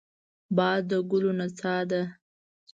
باد د ګلو نڅا ده